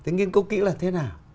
nghiên cứu kỹ là thế nào